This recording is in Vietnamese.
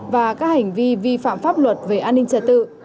và các hành vi vi phạm pháp luật về an ninh trật tự